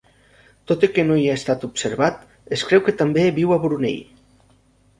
Tot i que no hi ha estat observat, es creu que també viu a Brunei.